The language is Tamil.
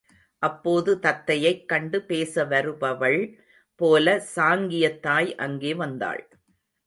அப்போது தத்தையைக் கண்டு பேச வருபவள் போலச் சாங்கியத் தாய் அங்கே வந்தாள்.